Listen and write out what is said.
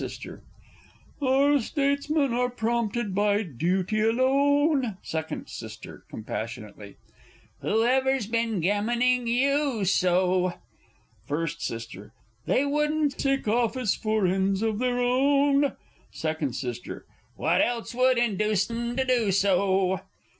_ Our Statesmen are prompted by duty alone. Second S. (compassionately). Whoever's been gammoning you so? First S. They wouldn't seek office for ends of their own? Second S. What else would induce 'em to do so?